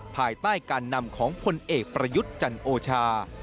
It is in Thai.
ภายใต้การนำของพลเอกประยุทธ์จันโอชา